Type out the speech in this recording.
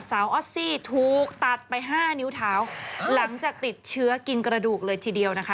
ออสซี่ถูกตัดไปห้านิ้วเท้าหลังจากติดเชื้อกินกระดูกเลยทีเดียวนะคะ